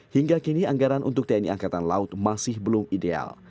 hingga kini anggaran untuk tni angkatan laut masih belum ideal